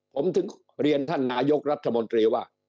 ผมถึงเรียนท่านนายกรัฐมนตรีว่า